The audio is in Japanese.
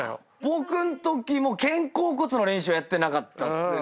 僕んときも肩甲骨の練習やってなかったっすね。